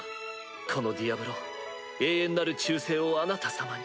このディアブロ永遠なる忠誠をあなた様に。